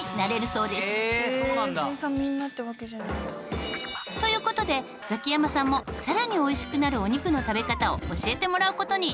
みんなってわけじゃないんだ」という事でザキヤマさんも更においしくなるお肉の食べ方を教えてもらう事に。